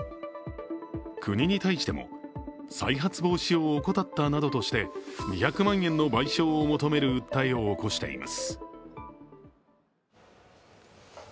国に対しても、再発防止を怠ったなどとして２００万円の賠償を求める訴えを起こしています。